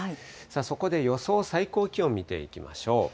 そこで予想最高気温見ていきましょう。